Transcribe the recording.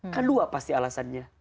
kan dua pasti alasannya